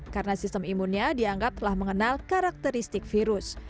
karena sistem imunnya dianggap telah mengenal karakteristik virus